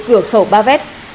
cửa khẩu pa vét